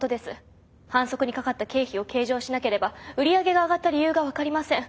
販促にかかった経費を計上しなければ売り上げが上がった理由が分かりません。